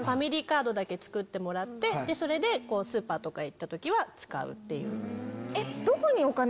だけ作ってもらってそれでスーパーとか行った時は使うっていう。